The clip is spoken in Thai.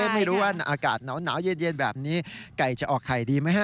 ไม่รู้ว่าอากาศหนาวเย็นแบบนี้ไก่จะออกไข่ดีไหมฮะ